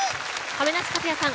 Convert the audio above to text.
亀梨和也さん